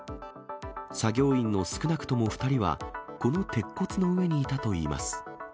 作業員の少なくとも２人は、この鉄骨の上にいたといいます。